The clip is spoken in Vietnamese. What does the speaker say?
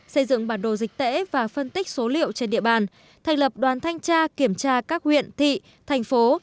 xây dựng bản đồ dịch tễ và phân tích số liệu trên địa bàn thành lập đoàn thanh tra kiểm tra các huyện thị thành phố